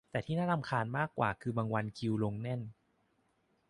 แต่ที่รำคาญมากกว่าคือบางวันคิวคงแน่น